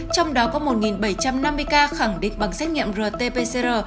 trong đó có một bảy trăm năm mươi ca khẳng định bằng xét nghiệm rt pcr